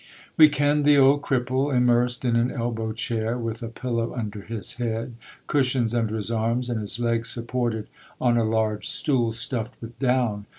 We kenned the old cripple, im mersed in an elbow chair, with a pillow under his head, cushions under his arms, and his legs supported on a large stool, stuffed with down.